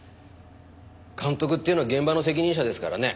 監督っていうのは現場の責任者ですからね